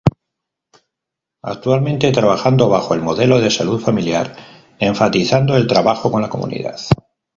Actualmente trabajando bajo el Modelo de Salud Familiar, enfatizando el trabajo con la comunidad.